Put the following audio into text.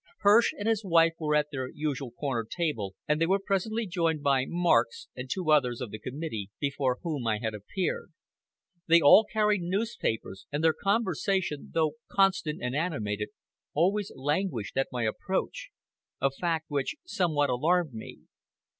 Hirsch and his wife were at their usual corner table, and they were presently joined by Marx, and two others of the committee before whom I had appeared. They all carried newspapers, and their conversation, though constant and animated, always languished at my approach a fact which somewhat alarmed me.